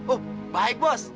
oh baik bos